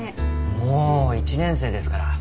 もう１年生ですから。